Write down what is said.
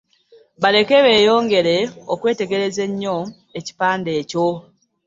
Baleke beeyongere okwetegereza ennyo ekipande ekyo.